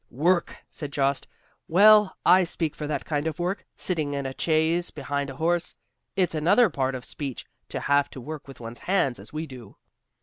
"Work!" said Jost, "well, I speak for that kind of work; sitting in a chaise behind a horse. It's another part of speech to have to work with one's hands, as we do."